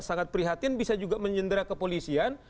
sangat prihatin bisa juga menyendera kepolisian